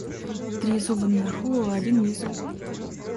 Три зуба наверху, а один внизу.